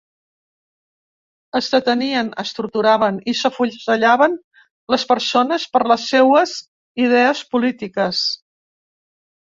Es detenien, es torturaven i s’afusellaven les persones per les seues idees polítiques.